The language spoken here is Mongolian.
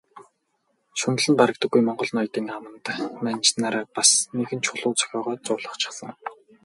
Шунал нь барагддаггүй монгол ноёдын аманд манж нар бас нэгэн чулуу зохиогоод зуулгачихсан.